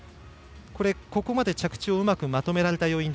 ここまで着地をうまくまとめられた要因